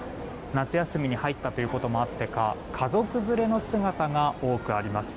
夏休みに入ったということもあってか家族連れの姿が多くあります。